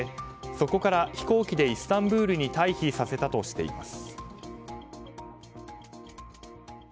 そこから飛行機でイスタンブールに退避させたとしています。